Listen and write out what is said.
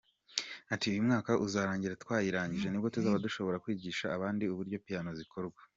Ati “Uyu mwaka uzarangira twayirangije ni bwo tuzaba dushobora kwigisha abandi uburyo piano zikorwa.